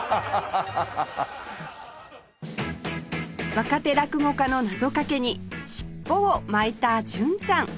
若手落語家の謎かけに尻尾を巻いた純ちゃん